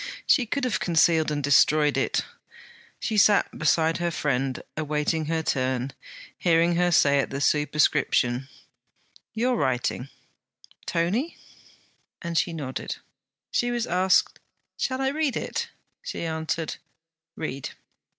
She could have concealed and destroyed it. She sat beside her friend, awaiting her turn, hearing her say at the superscription: 'Your writing, Tony?' and she nodded. She was asked: 'Shall I read it?' She answered: 'Read.'